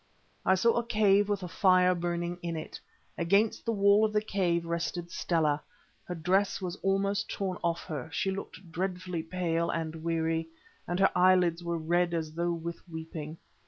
I saw a cave with a fire burning in it. Against the wall of the cave rested Stella. Her dress was torn almost off her, she looked dreadfully pale and weary, and her eyelids were red as though with weeping.